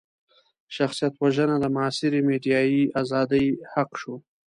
شخصيت وژنه د معاصرې ميډيايي ازادۍ حق شو.